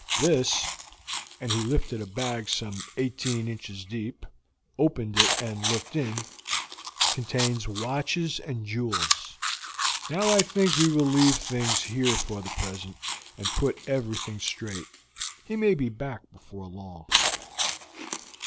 This " and he lifted a bag some eighteen inches deep, opened it, and looked in " contains watches and jewels. Now I think we will leave things here for the present, and put everything straight. He may be back before long."